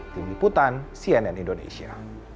tim liputan cnn indonesia